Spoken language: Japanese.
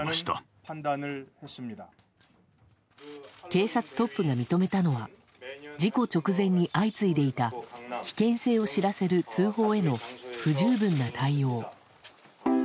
警察トップが認めたのは事故直前に相次いだ危険性を知らせる通報への不十分な対応。